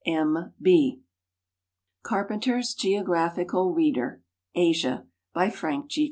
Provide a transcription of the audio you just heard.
M. B. Carpenter'' s Geographical Reader. Asia. Bj^ Frank G.